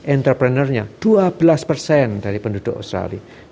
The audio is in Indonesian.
entrepreneurnya dua belas persen dari penduduk australia